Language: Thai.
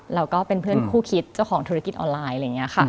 แล้วก็เป็นเพื่อนคู่คิดเจ้าของธุรกิจออนไลน์อะไรอย่างนี้ค่ะ